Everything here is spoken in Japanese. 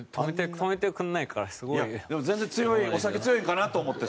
いやでも全然強いお酒強いんかな？と思ってさ。